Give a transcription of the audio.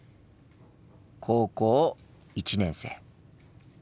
高校１年生。